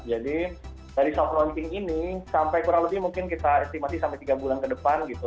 jadi dari soft launching ini sampai kurang lebih mungkin kita estimasi sampai tiga bulan ke depan gitu